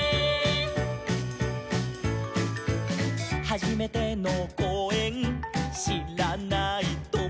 「はじめてのこうえんしらないともだち」